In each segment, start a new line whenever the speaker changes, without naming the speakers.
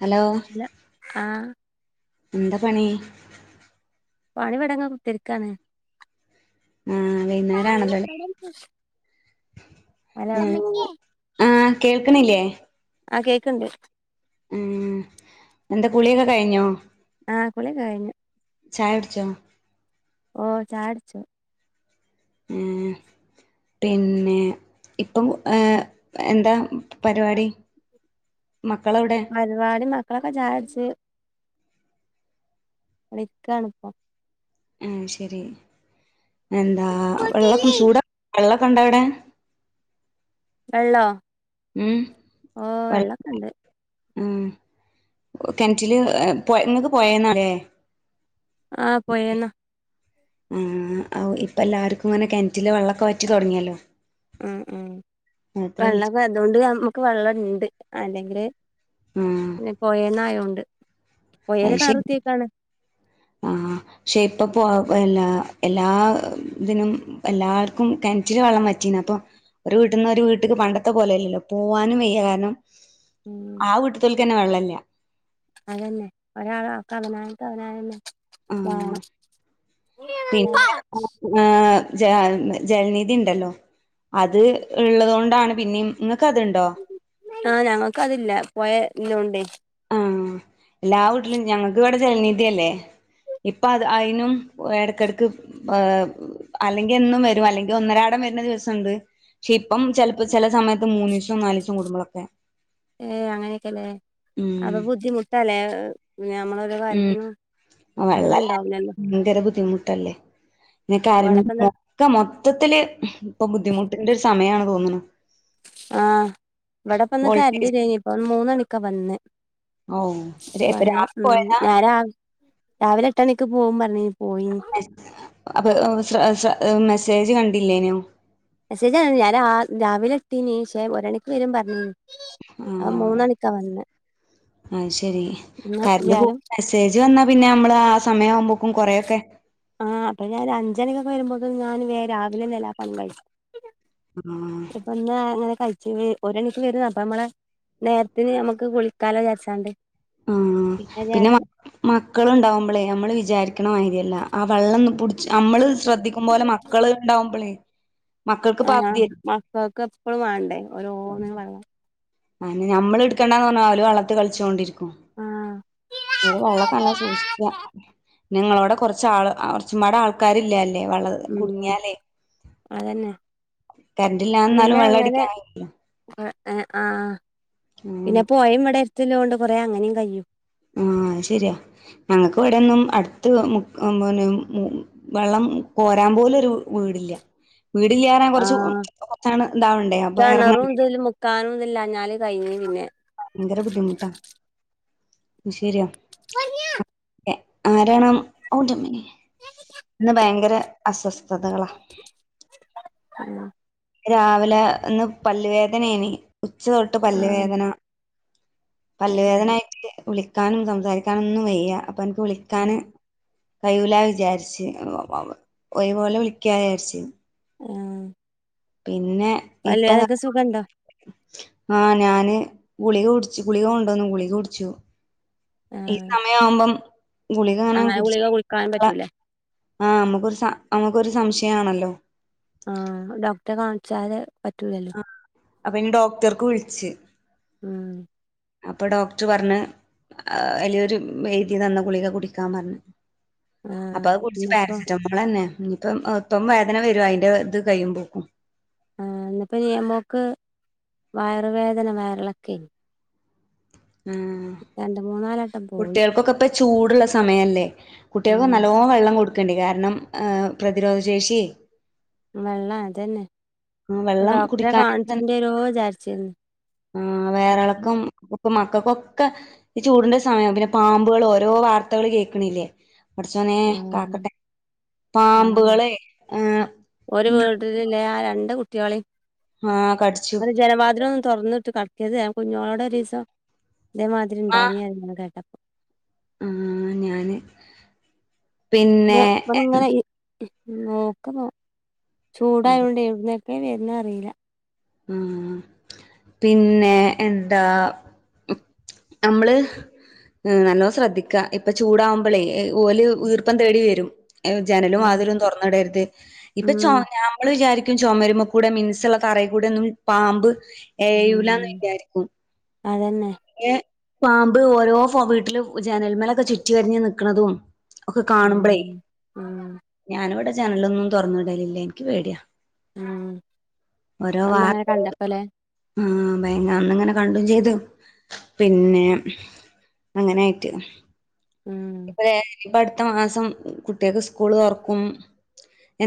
Hello
ല ആഹ്
ന്ത പണീ
പണിവെടങ്ങ കുത്തിരിക്കാണ്
ആഹ് വൈന്നേരം ആണല്ലോലെ
ഹലോ
ആഹ് കേൾക്ക്ണില്ലേ
ആ കേക്ക്ണ് ണ്ട്
ഉം എന്താ കുളിയൊക്കെ കഴിഞ്ഞോ
ആഹ് കുളിയൊക്കെ കഴിഞ്ഞു
ചായകുടിച്ചോ
ഓ ചായടുച്ചു
ഏഹ് പിന്നെ ഇപ്പം ഏഹ് എന്താ മ് പരുപാടി
പരുപാടി മ മക്കളൊക്കെ ചായുടിച്ച് അളിക്ക അണുപ്പം
ഏഹ് ശെരി. എന്താ വെള്ളെപ്പച്ചൂടാ വെള്ളൊക്കെണ്ടോ അവിടെ?
വെള്ളോ?
ഉം
ഓ വെള്ളൊക്കെ
വെള്ളം
ഉണ്ട്
ഉം കെൻറ്റില് പോ നിങ്ങെക്ക് പോയേന്നാ ലേ
ആഹ് പോയെന്നാ
ഉം ആ ഇപ്പെല്ലാവർക്കും അങ്ങനെ കെണറ്റിലേ വെള്ളക്കെ വറ്റി തെടെങ്ങിയല്ലോ?
ഉം ഉം വെള്ളപ്പൊ അതുകൊണ്ട് നമ്മക്ക് വെള്ളണ്ട്. അല്ലെങ്കില്
ആഹ്
പിന്നെ പോയെന്നായോ [inaudible] ഒയരെ
അത് ശരി
കാറുത്തിയേക്കാണ്.
ആഹ് പക്ഷെ ഇപ്പ പോ പിന്നെ എല്ലാ ഇതിനും എല്ലാർക്കും കെണറ്റില് വെള്ളം വറ്റീന്. അപ്പൊ ഒരു വീട്ടിന്ന് ഒരു വീട്ടക്ക് പണ്ടത്തെ പോലെല്ലല്ലോ പോവാനും വയ്യാ. കാരണം.
ഉം.
ആ വീട്ടിത്തോൽക്കന്നെ വെള്ളല്ല
അതന്നെ ഒരാള് ആക്കാതെനാൻ അവനാണെന്നെ
ആഹ് പിന്നെ ങു മേം ജെ ജെലനിധിയിണ്ടല്ലോ. അത് ഇള്ളതെണ്ടാണ് പിന്നെയും ഇന്ന്. ക്കതുണ്ടോ?
ആഹ് ഞങ്ങക്ക് അതില്ല. പൊഴ ഇല്ലാണ്ട്
ഉം എല്ലാ വീട്ടിലും ഞങ്ങക്ക് ഇവിടെ ജലനിധി അല്ലേ. ഇപ്പൊ അത് അയിനും എടക്കെടക്ക് പ് അല്ലെങ്കി എന്നും വരും. അല്ലെങ്കി ഒന്നരാടം വെരണ ദിവസൊണ്ട്. പക്ഷെ ഇപ്പം ചെലപ്പോ ചെലസമയത്ത് മൂനീഷം നാലീഷം കൂടുമ്പോളൊക്കെ.
ഏ അങ്ങനെയൊക്കെല്ലേ
ഉം
അപ്പൊ ബുദ്ധിമുട്ടല്ലേ ഞമ്മളൊരു
ഉം
കാര്യത്തിനു വെള്ളം ഇണ്ടാവുല്ലല്ലോ.
ട്ടല്ലേ. നിനക്കാരെ മൊക്കെ മൊത്തത്തില് ഇപ്പൊ ബുദ്ധിമുട്ടിന്റൊര് സമയാണ് തോന്ന്ണ്
ആഹ് ഇവടെ ഇപ്പന്ന്
വോൾട്ടേജ്
കരണ്ട്ലേനി ഇപ്പൊ മൂന്നണി ക്കാ വന്നേ
ഓ ഇപ്പൊ
വെള്ളം
രാത്രി
ഉം
പോയതാ
ഞാന് രാവ് രാവിലെ എട്ടെണിക്ക് പോവും പറ്ഞ്ഞീ
അപ്പ് ഓ ശ്ര ശ്ര ഉം മെസേജ് കണ്ടില്ലേനു
മെസ്സേജ് ഞാൻ കാൺല്ല. ഞാൻ രാ രാവിലെ ഇട്ടീനി ക്ഷേ ഒരണിക്ക് വരും പറ്ഞ്ഞീനി അഹ്
ആഹ്
മൂന്നണിക്കാ വന്നെ
അത് ശ ശരി
ഇന്ന്
കറണ്ട് പോ
വ്യാഴം
മെസ്സേജ് വന്നാ പിന്നെ നമ്മള് ആ സമയം ആവുമ്പോ
ആഹ് അപ്പൊ ഞാന് അഞ്ചണിക [unintelligible] വരുമ്പോക് ഞാൻ വേം രാവിലെന്നെ എല്ലാപണിം കഴിച്ചു
ആഹ്
ഇപ്പന്നാ അങ്ങനെ കഴി [unintelligible] വരുന്ന അപ്പ നമ്മള നേരത്തിന് നമുക്ക് കുളിക്കാലോ വിചാരിച്ചാണ്ട്
ആഹ് പിന്നെ മക്ക മക്കള് ഉണ്ടാവുമ്പോളേ നമ്മള് വിചാരിക്കണ മായിരി ല്ല ആ വെള്ള [unintelligible] നമ്മള് ശ്രദ്ധിക്കും പോലെ
ഞാന്
മക്കള് ഉണ്ടാവുമ്പോളേ
ആഹ് മക്കൊക്കെ എപ്പളും വേണ്ടേ ഓരോന്ന് വള്ള
അന്നെ നഞമ്മള് എടുക്കേണ്ട എന്ന് പറഞ്ഞാലും വളളത്തി കളിച്ചുകൊണ്ടിരി
ആഹ്
വെള്ളക്കല്ല സൂക്ഷിയ്ക്ക നിങ്ങളോടെ കുറച്ച ആൾ കുറച്ചുപാട ആൾക്കാരി വെള്ളം
ഉം
കുടുങ്ങിയാലേ
അതന്നെ
കരണ്ടില്ല
പിന്നെ
എന്നാലും വെള്ളം
അങ്ങനെ
അടിക്കാൻ കയില്ല
ഏഹ് ആഹ് പിന്നെ പോയ [unintelligible] [unintelligible] ല്ലോണ്ട് കുറെേ അങ്ങനേും കയ്യും
ആഹ് ശരിയാ ഞങ്ങക്ക് ഇവിടൊന്നും അടുത്ത് [unintelligible] പിന്നെ വെള്ളം കോരാൻ പോലൊരു വീടില്ല വീടില്ല്യാറാൻ കൊറച്
ആഹ്
കൊറച്ചങ്ട് ഇതാവണ്ടേ അപ്പൊ
കിണറും
ഇറങ്ങണ്ടേ
ഇതിലും മുക്കാനും ഇതില്ലാഞ്ഞാല് കഴിഞ്ഞ് പിന്നെ
ഭയങ്കര ബുദ്ധിമുട്ടാ ശരിയ ആരാണ് [unintelligible] ഇന്ന് ഭയങ്കര അസ്വസ് ഥതകളാ
ആഹ്
രാവിലെ ഇന്ന് പല്ല് വേദനയാനി ഉച്ച തൊട്ട് പല്ല്
ആഹ്
വേദന
അത് ശരി
പല്ലുവേദനായിട്ട് വിളി [unintelligible] സംസാരിക്കാനും ഒന്നും വയ്യ അപ്പം കുളിക്കാന് കൈയൂല വിചാരിച്ചു ഒരുപോലെ വിളിക്ക വിചാരിച്ച്
ആഹ്
പിന്നെ
പല്ലേനൊക്കെ സുഖണ്ടോ
ആ ഞാന് ഗുളിക കുടിച്ചു ഗുളിക കൊണ്ടോന്നു ഗുളിക കുടിച്ചു ഈ
ആഹ്
സമയാമ്പം ഗുളിക [unintelligible]
അങ്ങനെ
കുടിച്ച
ഗുളിക കുടിക്കാനും
[unintelligible]
പറ്റൂലേ
ആ നമ്മുക്കൊരു നമുക്കൊരു സംശയം. ആണല്ലോ.
ആഹ് ഡോക്ടറെ കാണിച്ചാല് പറ്റൂലല്ലോ
ആ അപ്പേനും ഡോക്ടർക്ക് വിളിച്ച്.
ഉം
അപ്പോ ഡോക്ടർ പറഞ്ഞ് അയിലൊരു എഴുതി തന്ന ഗുളിക കുടിക്കാൻ പറഞ്ഞ്.
ആഹ്
അപ്പോ അത് കുടിച്ച്
ഇന്നിപ്പോ
പാരസെറ്റമോളന്നെ. ഇപ്പം ഇപ്പം വേദന വരും അയിന്റെ ഇത് കയ്യുമ്പോക്കും.
ആ എന്നപ്പോ ന നമ്മക്ക് വയറുവേദന വയറിളക്കേ
ഉം
മൂന്നാലട്ടം പോയി
കുട്ടികൾക്കൊക്കെപ്പം ചൂടുള്ള സമയല്ലേ കുട്ടികൾക്ക്
ഉം
നല്ലോ വെള്ളം കൊടു ക്കണ്ടി കാരണം ആഹ് പ്രതിരോധ ശേഷിയേ
വെള്ളം അതന്നെ.
ആ വെള്ളം
ഡോക്ടറെ
കുടിക്കാന് തന്നെ
കാണിച്ചേണ്ടിരോ വിചാരിച്ചിരുന്നു
ആ വയറെളക്കം ഇപ്പം ക്കൊക്കെ ഈ ചൂടിന്റെ സമയം പിന്നെ പാമ്പുകള് ഓരോ വാർത്തകൾ കേൾക്കണില്ലേ? പടച്ചോനേ
ആഹ്
കാക്കട്ടെ
അതന്നെ
പാമ്പുകളേ ഏഹ്
ഒരു വീട്ടിലില്ലേ ആ രണ്ട് കുട്ട്യാളേം
ആഹ് കടിച്ചു
ആ ജനവാതില് ഒന്നും തുറന്നിട്ട് കട് [unintelligible] കുഞ്ഞോളേടെ ഒരിസം ഇതേമാതിരി ഇണ്ടായിനി കേട്ടപ്പ
ആ ഞാന് പിന്നെ എഹ്
ന്നോക്കുവ ചൂടായോണ്ട് ന്നേ ക്കെ വര്ന്നേ അറീല
ആഹ് പിന്നെ എന്താ നമ്മള് ഏഹ് നല്ലോണം ശ്രദ്ധിക്ക ഇപ്പൊ ചൂടാവുമ്പോളേ എ ഓല് ഈർപ്പം തേടി വരും ജനലും
അതന്നെ
വാതിലും തുറന്നുടര്ത് ഇപ്പൊ ചോ
ഉം
നമ്മള് വിചാരി ചൊമരുമക്കുടെ മിൻസള്ള തറേകൂടെ ഒന്നും പാമ്പ് ക്ക് ഏയൂലാന്ന്
ഉം
വിചാരിക്കും
അതന്നെ
എ പാമ്പ് ഓരോ ഫോ വീട്ടിലും ജനൽമേലൊക്കെ ചുറ്റി വരിഞ്ഞ് നിക്കണതും ഒക്കെ കാണുമ്പഴേ
ഉം ഉം
ഞാനിവിടെ ജനലൊന്നും തുറന്നു ഇടലില്ല എനിക്ക് പേടിയാ
ആ
ഓരോ
അന്നങ്ങനെ
വാർത്ത
കണ്ടപ്പല്ലേ
ആ ഭയ ന്ന് അന്നിങ്ങനെ കണ്ട ചെയ്തു പിന്നെ അങ്ങനായിട്ട്
ഉം
ഇപ്പ ദേ ഇപ്പ അടുത്ത മാസം കുട്ടികൾക്ക് സ്കൂള് തുറക്കും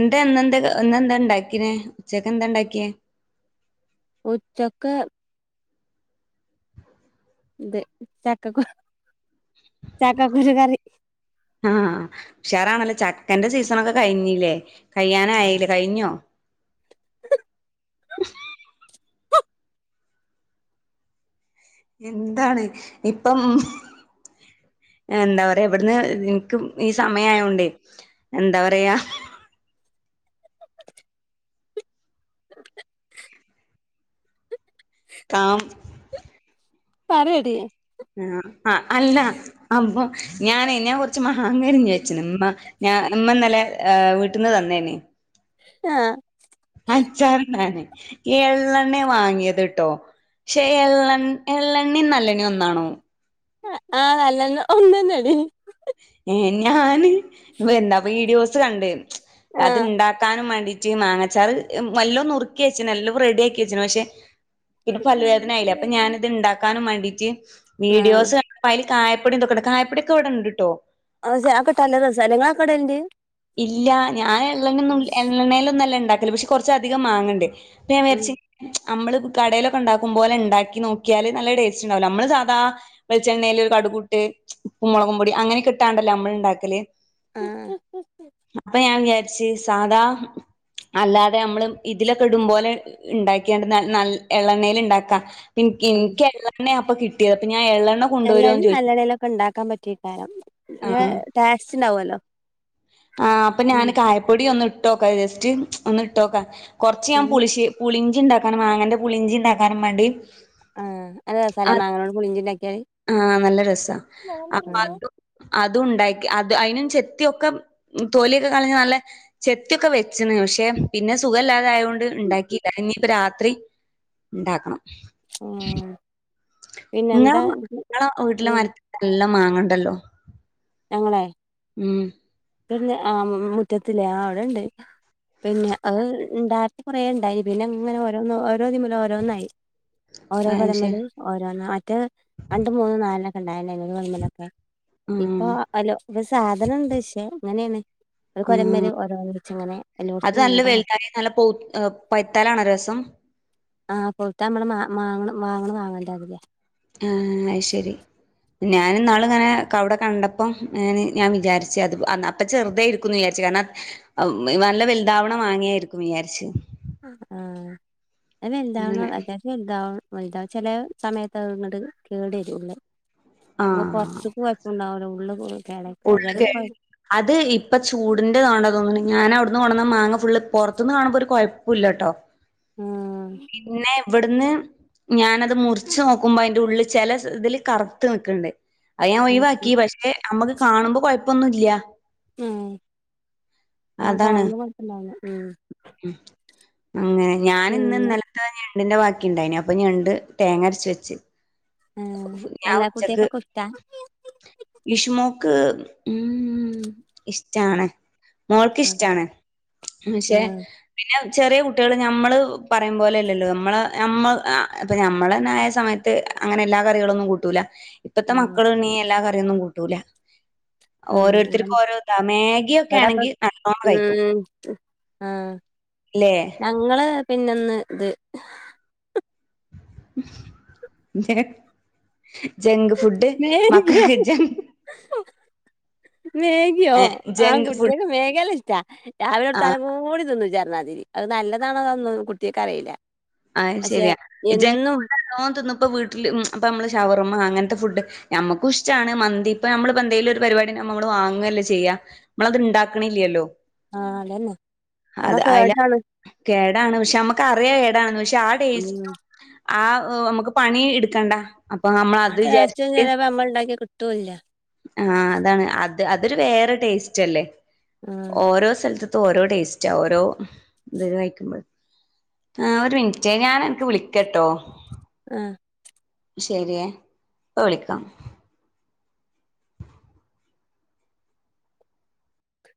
എന്താ ന്ത എന്താ ഇണ്ടാക്കനേ ഉച്ചക്ക് എന്താ ഉണ്ടാക്കിയേ
ഉച്ചക്ക് ഇത് ചക്കകു ചാക്ക കുരുകറി
ആ ഉക്ഷേറാണല്ലോ ചക്കന്റെ സീസണൊക്കെ കഴിഞ്ഞില്ലേ കഴിയാറയിലേ കഴിഞ്ഞോ [inaudible] എന്താണ് ഇപ്പം എന്താ പറയാ വിടന്ന് എനിക്ക് ഈ സമയയോണ്ട് എന്താ പറയാ
[inaudible]
കാം
പറയടി
ആ ആ അല്ല അപ്പൊ ഞാനേ ഞാൻ കുറച്ച് മഹാങ്കരി ചോയിച്ചന ഇമ്മ ഞാൻ ഉമ്മന്നല്ലെ വീട്ടിന്ന് തന്നേന
ആ
അച്ചാറിടാന് എള്ളെണ്ണ വാങ്ങിയത്ട്ടോ പക്ഷെ എള്ളണ് എള്ളെണ്ണയും നല്ലണ്ണയും ഒന്നാണോ
ആ നല്ലെണ്ണ ഒന്നടി
ഏ ഞാന് എന്താ വീഡിയോസ് ഇത് കണ്ടേ അത്
ആഹ്
ഇണ്ടാക്കാനും മാണ്ടി റ്റി മാങ്ങച്ചാർ നല്ല നുറുക്കി വച്ച് എല്ലാം റെഡിയാക്കി വെച്ചു പക്ഷെ ഇത് പലുവേദനയായില്ല അപ്പൊ ഞാൻ ഇത്ണ്ടാക്കാനുവേണ്ടി [unintelligible]
ആഹ്
വീഡിയോസ് കായപ്പൊടി [unintelligible] കായപൊടിയൊക്കെ ഇവിടെണ്ട് ട്ടോ
അത് അതൊക്കെ നല്ല രസാ നിങ്ങളൊക്കെ ഇടലുണ്ട്
ഇല്ല ഞാൻ എള്ളണ്ണ ഒന്നും എള്ളണ്ണേല് ഒന്നല്ല ഉണ്ടാക്കല് പക്ഷെ കുറച്ച് അധികം മാങ്ങണ്ടേ
ഉം
അപ്പോഞാൻവിചാരിച് നമ്മള് കടയിലൊക്കെ ഉണ്ടാക്കും പോലെ ഉണ്ടാക്കി നോക്കിയാല് നല്ല ടേസ്റ്റ് ഉണ്ടാവല്ല നമ്മള് സാധാ വെളിച്ചെണ്ണൽ കടുകിട്ട് ഉപ്പും മുളകും പൊടി അങ്ങനെ കിട്ടാണ്ടല്ലോ നമ്മള് ഇണ്ടാക്കല്
ആ
അപ്പം ഞാൻവിചാരി പക്ഷി സാധാ അല്ലാതെ നമ്മള് ഇതിലൊക്കെ ഇടുപോലെ ഉണ്ടാക്കിയണ്ട് ന എള്ളെണേൽ ഇണ്ടാക്ക പി ഇൻക്ക് എള്ളെണ്ണ അപ്പ കിട്ടിയ ഞാൻ
എള്ളെണ്ണയിലും നല്ലെണ്ണേലൊക്കെ ഉണ്ടാക്കാൻ പറ്റിട്ടാരം നല്ല ടേസ്റ്റ് ഉണ്ടാവല്ലോ.
ആ അപ്പൊ ഞാന് കായപ്പൊടി ഒന്ന് ഇട്ടോക്ക ജസ്റ്റ് ഒന്ന് ഇട്ടോക്ക കുറച്ച ഞാൻ
ഉം
പുളിശ്ശേ പുളി ഇണ്ടാക്കാനും മാങ്ങന്റെ പുളിഞ്ചി ഉണ്ടാക്കാനും വേണ്ടി
ആ നല്ല റസാല്ലേ മാങ്ങനോട് പുളിഞ്ചി ഇണ്ടാക്കിയാല്.
ആ നല്ല രസ അപ്പൊ അത് ഉണ്ടാക്കി അത് അതിനും ചെത്തിയൊക്കെ തോലിയൊക്കെ കളഞ്ഞ് നല്ല ചെത്തിയൊക്കെ വെച്ചന്ന് പക്ഷെ പിന്നെ സുഖ ഇല്ലാതെ ആയൊണ്ട് ഉണ്ടാക്കിയില്ല ഇനിയിപ്പ രാത്രി ഉണ്ടാക്കണം
ഉം
നിങ്ങളെ
പിന്നെന്താ
നിങ്ങളെ വീട്ടിലെ
ഊര്
മരത്തിലെല്ലാം മാങ്ങണ്ടല്ലോ.
ഞങ്ങളെ
ഉം.
ഇന്ന് ആഹ് മുറ്റത്തില്ലേ ആഹ് അവിടെണ്ട് പിന്നെ അത് ഇണ്ടായപ്പോൾ കുറെ ഉണ്ടായി പിന്നെ അങ്ങനെ ഓരോന്ന് ഒരോന്നിങ്ങനെ ഓരോന്നായി ഓരോ
ആഹ് ശരി
കൊലമലും ഓരോന്നെ മറ്റേ രണ്ട് മൂന്ന നാല [unintelligible]
ആഹ്
അപ്പൊ ഹലോ ഇപ്പൊ സാധനണ്ട് പക്ഷേ ഇങ്ങനെണ്
ഉം അത്
എല്ലോടത്തും
നല്ല
ഉണ്ട
വലുതായി നല്ല പ പൈത്താലണ രസം
ആ പഴുത്ത നമ്മള് മാ മാങ്ങ വാങ്ങണ വാങ്ങണ്ടാവില്ലേ
ആഹ അത് ശരി ഞാനന്നാള് ഇങ്ങനെ അവിടെ കണ്ടപ്പോം ഞാൻ വിചാരിച്ച് അത് അപ്പ ചെറുതായിരിക്കുന്ന് വിചാരിച്ചു കാരണം നല്ല വലുതാവണ മാങ്ങയായിരിക്കും വിചാരിച്ച്
ആ [unintelligible]
അങ്ങനെ
[unintelligible] ചില സമയത്തങ്ങട് കേടു വരുള്ളൂ.
ആ
ഉള്ള് കേടായിക്കാരം ഏതായാലും കൊഴ
അത് ഇപ്പൊ ചൂടിന്റെതോണ്ട തോന്നണ ഞാൻ അവിടുന്ന് കൊണ്ടെന്ന മാങ്ങ ഫുള്ള് പുറത്തുനിന്ന് കാണുമ്പോ ഒരു കോ ല്ലട്ടൊ.
ആഹ്
പിന്നെ ഇവിടുന്ന് ഞാനത് മുറിച്ച് നോക്കുമ്പോ അതിന്റെ ഉള്ളിൽ ചില ഇതിൽ കറ തെക്കണ്ട്. അത് ഞാൻ ഒഴിവാക്കി പക്ഷേ നമ്മക്ക് കാണുമ്പോ കൊഴപ്പൊന്നുല്ല
ഉം ആ
അതാണ്
കാണുമ്പോ കുഴപ്പണ്ടാവൂല ഉം
അങ്ങനെ ഞാന് ഇന്ന് ഇന്നലത്തെ ഞ ണ്ടിന്റെ ബാക്കിണ്ടയിനി അപ്പ ഞണ്ട് തേങ്ങരച്ച് വെച്ച്
ഏഹ് എല്ലാ കുട്ടിയക്കൊക്കെ ഇഷ്ടാ
ഇഷുമോക്ക് ഉം ഇഷ്ടാണ് മോൾക്ക്
ആഹ്
ഇഷ്ടാണ് ഉം പക്ഷേ പിന്നെ ചെറിയ കുട്ടിയള് നമ്മള് പറയും പോലെയല്ലല്ലോ നമ്മളെ നമ്മൾ ആഹ് ഇപ്പൊ ഞമ്മളെന്നായ സമയത്ത് അങ്ങനെ എല്ലാ കറികളൊന്നും കൂട്ടൂല ഇപ്പത്തെ
ഉം
മക്കള് ഇണ്ണീ എല്ലാ ക ട്ടയൊന്നും കൂട്ടൂല
ഉം
ഓരോരുത്തർക്കും ഓരോ ഇതാ മാഗിയൊക്കെ
ഇവിടെപ്പം
ആണെങ്കി നല്ലോണം കഴിക്കും
ഉം ആഹ്
ല്ലേ
ഞങ്ങള് പിന്നെന്ന് ത്
[unintelligible] ജങ്ക് ഫുഡ്
മേഗിയോ
മക്കൾക്ക് ജ
മേഗിയോ ആ
ഫുഡ്
കുട്ട്യേള് മേഗി നല്ല ഇഷ് റ്റാ രാവിലെ
ആ
കൊടുത്താലും കൂടി തിന്നും ചെൽ ന്നാതിരി അത് നല്ലതാണോന്നൊന്നും കുട്ട്യേക്ക് അറീല
ആഹ് ശരിയാ ഇ ജങ്ക് ഫുഡ്‌ എന്നൂം തിന്നുമ്പം വീട്ടില് ഉം അപ്പം നമ്മള് ഷവർമ്മ അങ്ങനത്തെ ഫുഡ് ഞമ്മക്കും ഇഷ്ടാണ് മന്തി ഇപ്പം നമ്മള് ഇപ്പം എന്തേലും ഒര് പരിപാടിണ്ടാവുമ്പോ നമ്മള് വാങ്ങ് അല്ലേ ചെയ്യാ നമ്മളത് ഇണ്ടാക്കിണില്ലല്ലോ
ആഹ് അതന്നെ
അതെ
അതൊക്കെ
അയിലാ
കേടാണ്
കേടാണ് പക്ഷെ നമ്മക്ക് അറിയാം [unintelligible] പക്ഷെ ആ ടേസ്റ്റി
ഉം
ആ ഉം നമുക്ക് പണി ഇട്ക്കണ്ടാ
ആ ടേസ്റ്റ് ചെലേപ്പോ നമ്മള് ഇണ്ടാക്കിയ കി ട്ടൂല്ലാ
ആഹ് അതാണ് അത് അതൊരു വേറെ ടേസ്റ്റ് അല്ലേ
ആഹ്
ഓരോ സൽത്ത് ഓരോ ടേസ്റ്റാ ഓരോ ഇത് കഴിക്കുമ്പ ഴ് ആഹ് ഒരു മിനിറ്റ് ഞാൻ അനക്ക് വിളിക്കട്ടോ
ആഹ്
ശരിയേ ഇപ്പൊ വിളിക്കാം